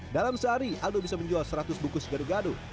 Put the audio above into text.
dalam sehari aldo bisa menjual seratus bukus gaduh gaduh